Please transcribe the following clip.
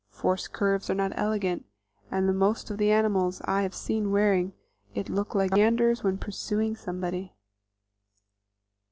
Forced curves are not elegant, and the most of the animals I have seen wearing it look like ganders when pursuing somebody.